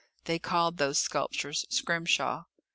They called those sculptures scrimshaw.